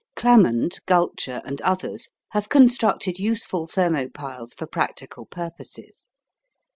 Clammond, Gulcher, and others have constructed useful thermo piles for practical purposes.